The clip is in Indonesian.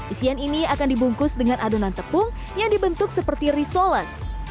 isian ini akan dibungkus dengan adonan tepung yang dibentuk seperti risoles